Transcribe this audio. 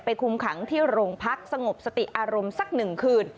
คุมขังที่โรงพักสงบสติอารมณ์สักหนึ่งคืน